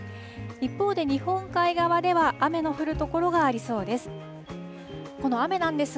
一方で日本海側では、雨の降る所がありそうです。